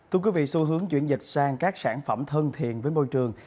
thưa quý vị xu hướng chuyển dịch sang các sản phẩm thân thiện với môi trường